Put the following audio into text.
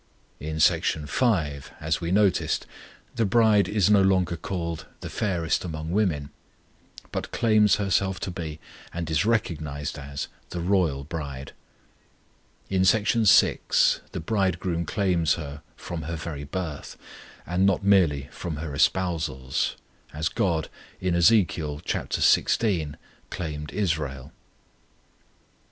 In Section V., as we noticed, the bride is no longer called "the fairest among women," but claims herself to be, and is recognized as, the royal bride. In Section VI. the Bridegroom claims her from her very birth, and not merely from her espousals, as GOD in Ezekiel xvi. claimed Israel.